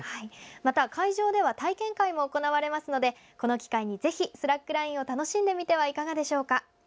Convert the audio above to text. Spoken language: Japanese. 会場では体験会も行われますのでこの機会にぜひスラックラインを楽しんでみてはいかがでしょうか。